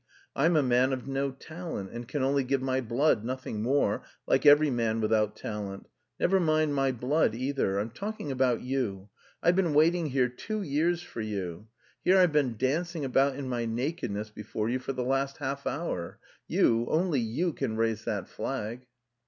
I'm a man of no talent, and can only give my blood, nothing more, like every man without talent; never mind my blood either! I'm talking about you. I've been waiting here two years for you.... Here I've been dancing about in my nakedness before you for the last half hour. You, only you can raise that flag!..."